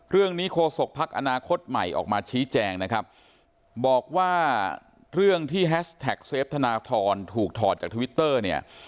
โฆษกภักดิ์อนาคตใหม่ออกมาชี้แจงนะครับบอกว่าเรื่องที่แฮชแท็กเซฟธนทรถูกถอดจากทวิตเตอร์เนี่ย